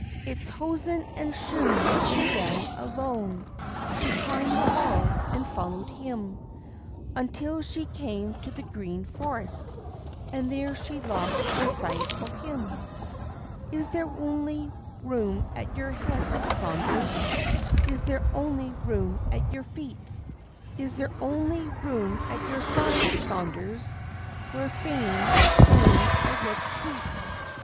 It's hosen and shoon, and gown alone, She climb'd the wall, and followed him, Until she came to the green forest, And there she lost the sight o' him. "Is there ony room at your head, Saunders? Is there ony room at your feet? Is there ony room at your side, Saunders, Where fain, fain I wad sleep?"